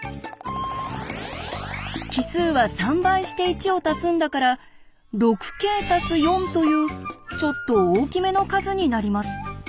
奇数は３倍して１をたすんだから「６ｋ＋４」というちょっと大きめの数になります。